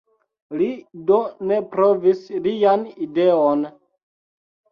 Li do ne provis lian ideon.